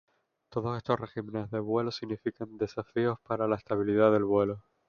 Todos estos regímenes de vuelo significan desafíos para la estabilidad del vuelo.